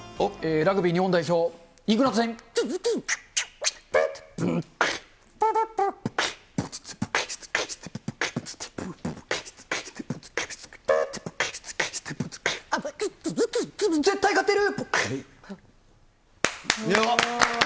ラグビー日本代表、イングランド戦。絶対勝てる！